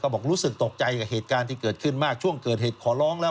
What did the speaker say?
บอกรู้สึกตกใจกับเหตุการณ์ที่เกิดขึ้นมากช่วงเกิดเหตุขอร้องแล้ว